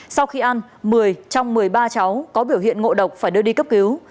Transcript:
sau khi ăn một mươi trong một mươi ba cháu có biểu hiện ngộ độc phải đưa đi cấp cứu